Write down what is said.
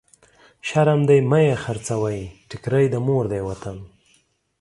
شرم دی مه يې خرڅوی، ټکری د مور دی وطن.